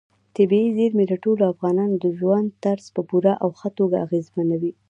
طبیعي زیرمې د ټولو افغانانو د ژوند طرز په پوره او ښه توګه اغېزمنوي.